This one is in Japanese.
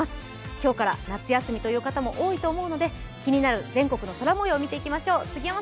今日から夏休みという方も多いと思うので気になる全国の空もようを見ていきましょう。